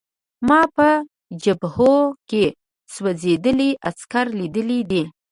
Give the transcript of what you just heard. ما په جبهو کې سوځېدلي عسکر لیدلي دي